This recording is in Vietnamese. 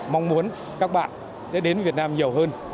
mong muốn các bạn đến việt nam nhiều hơn